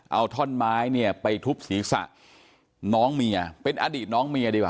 เอาท่อนไม้เนี่ยไปทุบศีรษะน้องเมียเป็นอดีตน้องเมียดีกว่า